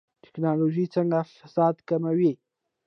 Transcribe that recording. ټکنالوژي څنګه فساد کموي؟